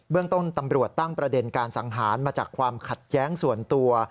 เรื่องต้นตำรวจตั้งประเด็นการสังหารมาจากความขัดแย้งส่วนตัว